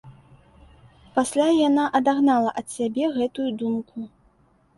Пасля яна адагнала ад сябе гэтую думку.